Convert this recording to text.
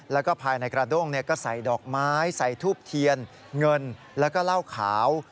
แล้วก็ภายในกระด้งก็ใส่ดอกไม้ใส่ทูบเทียนเงินแล้วก็เหล้าขาว